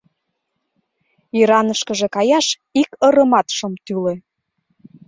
Иранышкыже каяш ик ырымат шым тӱлӧ.